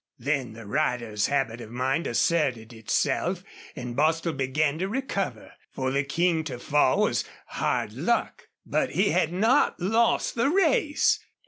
Then the rider's habit of mind asserted itself and Bostil began to recover. For the King to fall was hard luck. But he had not lost the race!